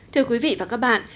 thưa quý vị và các bạn